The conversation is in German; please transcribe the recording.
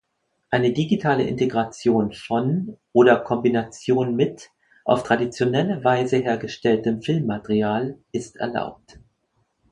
Eine digitale Integration von oder Kombination mit auf traditionelle Weise hergestelltem Filmmaterial ist erlaubt.